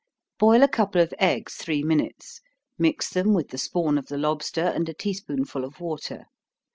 _ Boil a couple of eggs three minutes mix them with the spawn of the lobster, and a tea spoonful of water.